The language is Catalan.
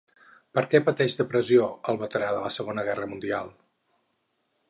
Per què pateix depressió el veterà de la Segona Guerra Mundial?